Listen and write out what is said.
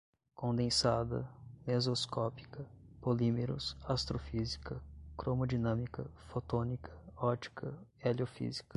condensada, mesoscópica, polímeros, astrofísica, cromodinâmica, fotônica, ótica, heliofísica